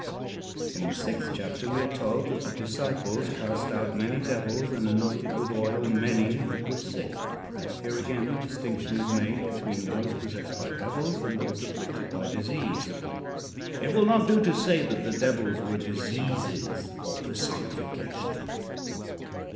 In the sixth chapter we are told that the disciples "cast out many devils and anointed with oil many that were sick." Here again the distinction is made between those possessed by devils and those afflicted by disease. It will not do to say that the devils were diseases or personifications.